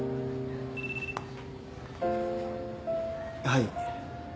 はい。